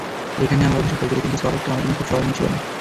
এখানেই আমার অভিষেক হয়েছিল, কিন্তু সফরটা আমার জন্য খুব স্মরণীয় ছিল না।